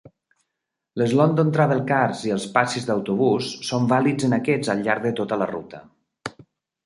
Les London Travelcards i els passis d'autobús són vàlids en aquests al llarg de tota la ruta.